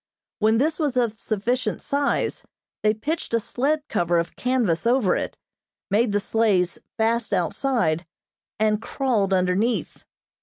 When this was of sufficient size, they pitched a sled cover of canvas over it, made the sleighs fast outside, and crawled underneath.